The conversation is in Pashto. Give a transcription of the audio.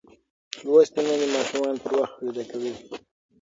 لوستې میندې ماشومان پر وخت ویده کوي.